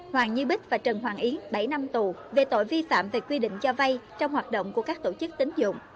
hoàng như bích và trần hoàng ý bảy năm tù về tội vi phạm về quy định cho vay trong hoạt động của các tổ chức tính dụng